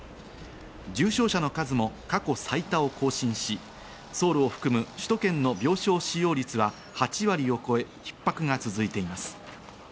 重症者の数も過去最多を更新し、ソウルを含む首都圏の病床使用率は８割を超え、逼迫が続いています。